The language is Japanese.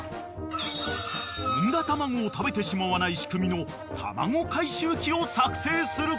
［産んだ卵を食べてしまわない仕組みの卵回収機を作成することに］